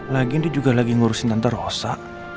lagian dia juga lagi ngurusin tante rosa